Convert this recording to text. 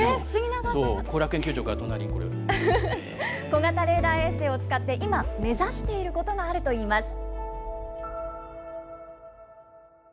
小型レーダー衛星を使って今、目指していることがあるといいます。